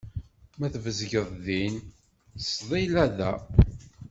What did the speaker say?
Ma tbezgeḍ din, ttesḍila da.